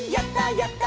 やった！